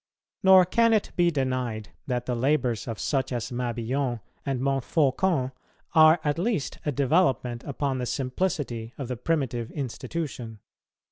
Nor can it be denied that the labours of such as Mabillon and Montfaucon are at least a development upon the simplicity of the primitive institution.